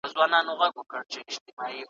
يوه شپه دي د مناقشې لپاره وټاکي.